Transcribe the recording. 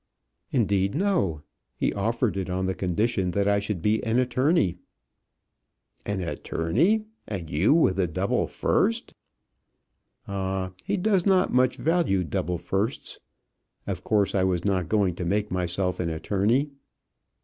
"Indeed, no. He offered it on the condition that I should be an attorney." "An attorney! and you with a double first?" "Ah, he does not much value double firsts. Of course, I was not going to make myself an attorney."